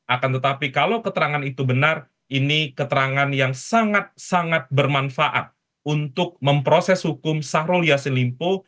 akan tetapi kalau keterangan itu benar ini keterangan yang sangat sangat bermanfaat untuk memproses hukum syahrul yassin limpo